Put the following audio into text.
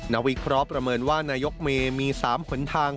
วิเคราะห์ประเมินว่านายกเมมี๓หนทาง